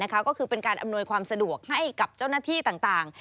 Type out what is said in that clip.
ก็คือเป็นการอำนวยความสะดวกให้กับเจ้าหน้าที่ต่าง